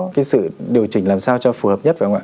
cái sự điều chỉnh làm sao cho phù hợp nhất